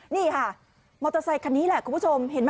นี่ค่ะมอเตอร์ไซคันนี้แหละคุณผู้ชมเห็นไหม